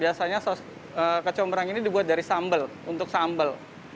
biasanya kecombrang ini dibuat dari sambal untuk sambal